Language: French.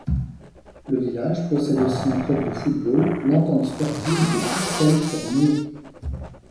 Le village possède aussi un club de football, l'Entente Sportive de Courcelles-sur-Nied.